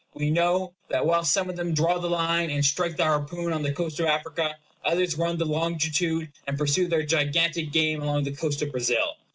We know that whilst some of them draw the line and strike the harpoon on the coast of Africa, others run the longitude and pursue their gigantic game along the coast of Brazil.